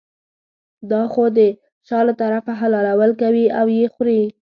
دا خو د شا له طرفه حلالول کوي او یې خوري.